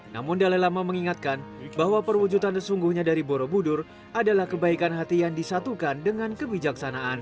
namun dale lama mengingatkan bahwa perwujudan sesungguhnya dari borobudur adalah kebaikan hati yang disatukan dengan kebijaksanaan